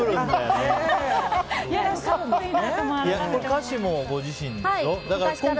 歌詞もご自身でしょ？